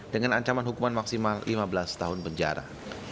dengan ancaman hukuman maksimal lima belas tahun penjara